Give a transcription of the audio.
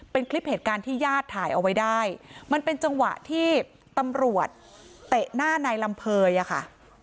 เป็นคลิปเหตุการณ์ที่ญาติถ่ายเอาไว้ได้มันเป็นจังหวะที่ตำรวจเตะหน้านายลำเภยอะค่ะ